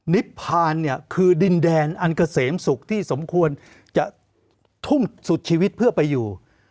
นิพพานเนี่ยคือดินแดนอันเกษมศุกร์ที่สมควรจะทุ่มสุดชีวิตเพื่อไปอยู่